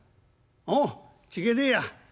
「おう違えねえや。